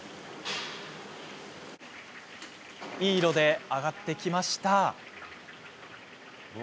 いい色で揚がってきました。